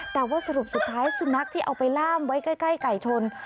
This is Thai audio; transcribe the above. แต่ว่าสรุปสุดท้ายสุนัขที่เอาไปล่ามไว้ใกล้ไก่ชน